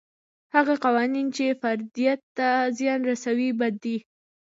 هغه قوانین چې فردیت ته زیان رسوي بد دي.